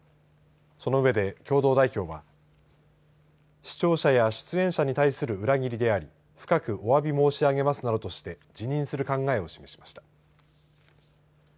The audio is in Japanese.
その上で共同代表は視聴者や出演者に対する裏切りであり深くおわび申し上げますなどとして辞任する考えを示しました。